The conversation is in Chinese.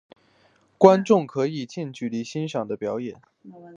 观众可以近距离地欣赏表演。